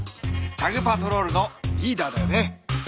チャグ・パトロールのリーダーだよね。